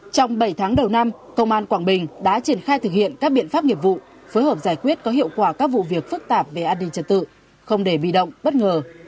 trong bảy tháng đầu năm công an quảng bình đã triển khai thực hiện các biện pháp nghiệp vụ phối hợp giải quyết có hiệu quả các vụ việc phức tạp về an ninh trật tự không để bị động bất ngờ